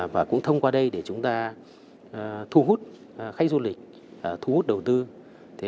và cũng thông qua đây để chúng ta thu hút khách du lịch thu hút đầu tư